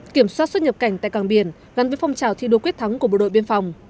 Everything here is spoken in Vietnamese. kiểm soát xuất nhập cảnh tại càng biển gắn với phong trào thi đua quyết thắng của bộ đội biên phòng